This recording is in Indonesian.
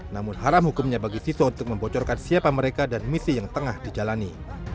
namun haram hukumnya bagi siswa untuk membocorkan siapa mereka dan misi yang tengah dijalani